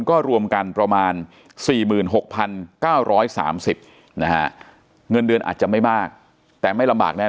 ก็รวมกันประมาณ๔๖๙๓๐นะฮะเงินเดือนอาจจะไม่มากแต่ไม่ลำบากแน่